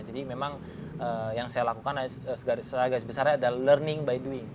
jadi memang yang saya lakukan saya agak sebesarnya adalah learning by doing